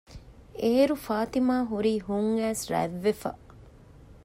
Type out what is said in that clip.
އޭރު ފާތިމާ ހުރީ ހުންއައިސް ރަތްވެފަ